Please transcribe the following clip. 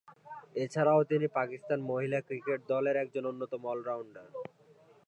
এছাড়াও তিনি পাকিস্তান মহিলা ক্রিকেট দলের একজন অন্যতম অল-রাউন্ডার।